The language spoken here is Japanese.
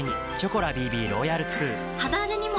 肌荒れにも！